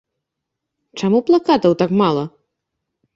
Чаму плакатаў так мала?